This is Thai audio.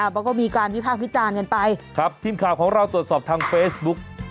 มันก็มีการวิพากษ์วิจารณ์กันไปครับทีมข่าวของเราตรวจสอบทางเฟซบุ๊ก